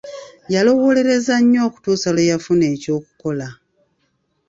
Yalowoolereza nnyo okutuusa lwe yafuna eky'okukola.